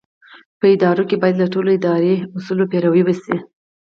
په ادارو کې باید له ټولو اداري اصولو پیروي وشي.